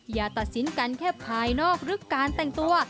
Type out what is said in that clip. อย่าตัดสินกันแค่ภายนอกหรือการแต่งตัว